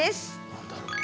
何だろう？